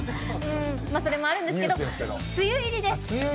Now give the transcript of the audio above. それもあるんですけど梅雨入りです。